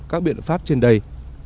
các biện pháp trên đây